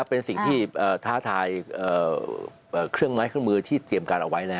เป็นสิ่งที่ท้าทายเครื่องไม้เครื่องมือที่เตรียมการเอาไว้